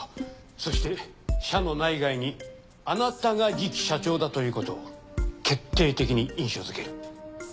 そして社の内外にあなたが次期社長だということを決定的に印象づける。